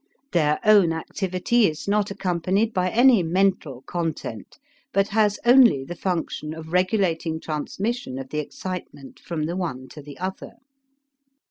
Their own activity is not accompanied by any mental content, but has only the function of regulating transmission of the excitement from the one to the other.